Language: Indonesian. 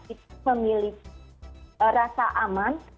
itu memilih rasa aman